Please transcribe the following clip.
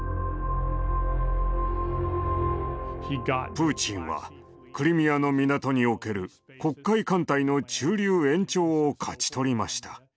プーチンはクリミアの港における黒海艦隊の駐留延長を勝ち取りました。